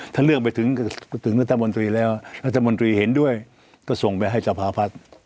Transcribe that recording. ถ้าเรื่องไปถึงรัฐมนตรีแล้วรัฐมนตรีเห็นด้วยก็ส่งไปให้สภาพัฒน์